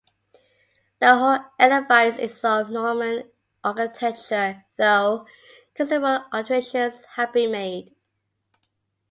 The whole edifice is of Norman architecture, though considerable alterations have been made.